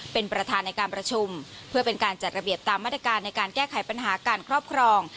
เป็นประธานในการประชุมเพื่อเป็นการจัดระเบียบตามมาตรการในการแก้ไขปัญหาการครอบครอง